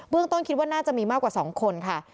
ต้นคิดว่าน่าจะมีมากกว่า๒คนค่ะ